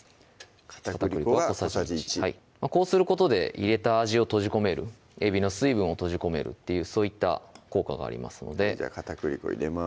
片栗粉が小さじ１はいこうすることで入れた味を閉じ込めるえびの水分を閉じ込めるっていうそういった効果がありますのでじゃあ片栗粉入れます